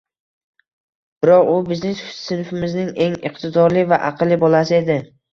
Biroq, u bizning sinfimizning eng iqtidorli va aqlli bolasi edi